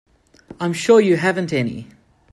I'm sure you haven't any.